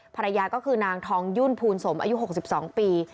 ภรรยาก็คือนางทองยุ่นภูนสมอายุ๖๒ปี